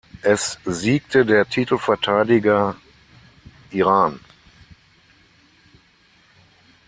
Es siegte der Titelverteidiger Iran.